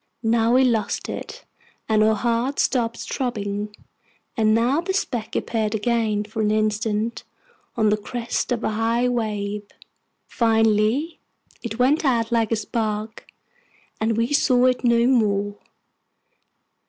Now we lost it, and our hearts stopped throbbing; and now the speck appeared again, for an instant, on the crest of a high wave. Finally, it went out like a spark, and we saw it no more.